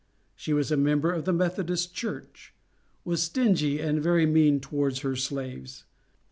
She was a member of the Methodist Church, was stingy and very mean towards her slaves.